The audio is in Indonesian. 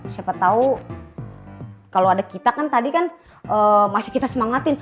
siapa tahu kalau ada kita kan tadi kan masih kita semangatin